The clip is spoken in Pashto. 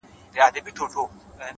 د يوسفي حُسن شروع ته سرگردانه وو _